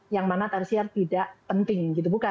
yang mana tersier tidak penting